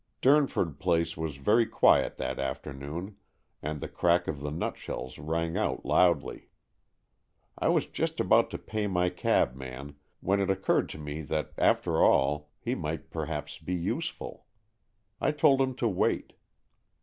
Durn ford Place was very quiet that afternoon, and the crack of the nutshells rang out loudly. I was just about to pay my cabman, when it occurred to me that after all he might per haps be useful. I told him to wait.